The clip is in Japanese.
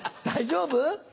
大丈夫？